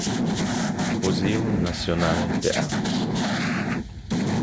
Museo Nacional de Arte